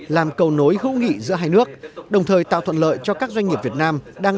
làm cầu nối hữu nghị giữa hai nước đồng thời tạo thuận lợi cho các doanh nghiệp việt nam đang